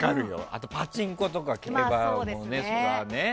あとはパチンコとか競馬もね。